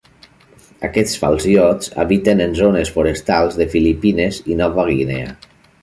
Aquests falciots habiten en zones forestals de Filipines i Nova Guinea.